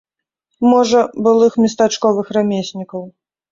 Можа, былых местачковых рамеснікаў.